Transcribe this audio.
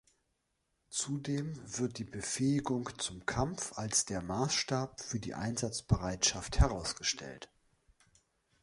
Zudem wird die Befähigung zum Kampf als "der" Maßstab für die Einsatzbereitschaft herausgestellt.